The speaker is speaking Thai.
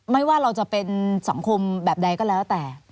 ไม่ว่าเราจะเป็นสังคมแบบใดก็แล้วแต่